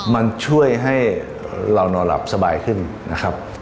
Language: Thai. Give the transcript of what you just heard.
มันช่วยให้เรานอนหลับสบายขึ้นนะครับ